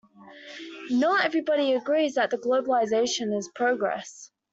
Not everybody agrees that globalisation is progress